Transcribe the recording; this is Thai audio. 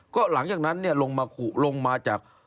ก็หลังจากนั้นเนี่ยลงมาจาก